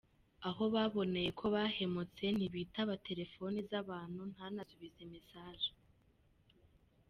Aho baboneye ko bahemutse ntibitaba telefone z’abantu ntanasubize messages.